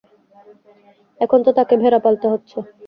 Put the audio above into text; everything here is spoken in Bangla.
এখন তো তাকে ভেড়া পালতে হচ্ছে।